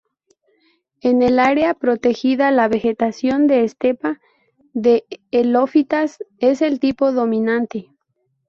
En el área protegida la vegetación de estepa de halófitas es el tipo dominante.